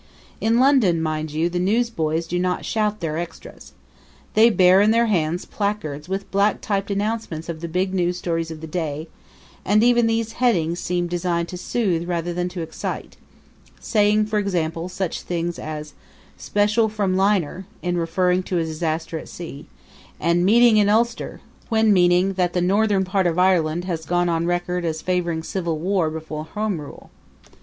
In London, mind you, the newsboys do not shout their extras. They bear in their hands placards with black typed announcements of the big news story of the day; and even these headings seem designed to soothe rather than to excite saying, for example, such things as Special From Liner, in referring to a disaster at sea, and Meeting in Ulster, when meaning that the northern part of Ireland has gone on record as favoring civil war before home rule.